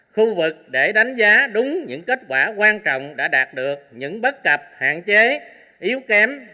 khu vực để đánh giá đúng những kết quả quan trọng đã đạt được những bất cập hạn chế yếu kém